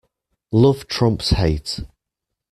Love trumps hate.